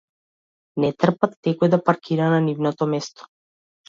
Не трпат некој да паркира на нивното место.